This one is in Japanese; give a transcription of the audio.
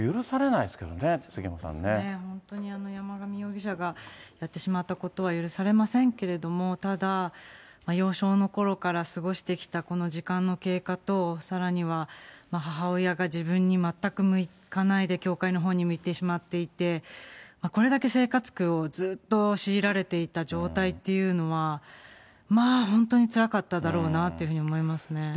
そうですね、本当に山上容疑者がやってしまったことは許されませんけれども、ただ、幼少のころから過ごしてきたこの時間の経過と、さらには母親が自分に全く向かないで教会のほうに向いてしまっていて、これだけ生活苦をずっと強いられていた状態というのは、まあ、本当につらかっただろうなというふうに思いますね。